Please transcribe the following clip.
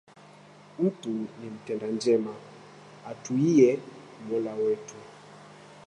Mtu ni mtenda njema, atwiiye Mola wetu